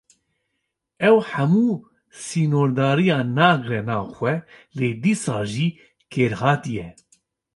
Ew hemû sînordariyan nagire nav xwe, lê dîsa jî kêrhatî ye.